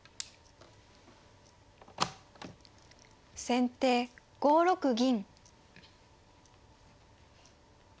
先手５六銀。